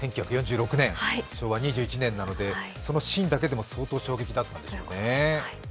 １９４６年、昭和２１年なのでそのシーンだけでも、相当衝撃だったんでしょうね。